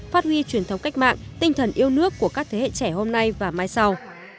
phát huy truyền thống cách mạng tinh thần yêu nước của các thế hệ trẻ hôm nay và mai sau